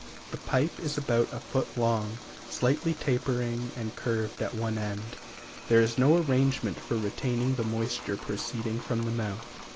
The pipe is about a foot long, slightly tapering and curved at one end; there is no arrangement for retaining the moisture proceeding from the mouth.